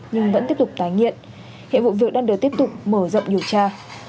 nhưng vẫn tiếp tục tái nghiện hiện vụ việc đang được tiếp tục mở rộng điều tra